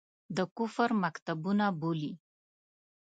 د کفر مکتبونه بولي.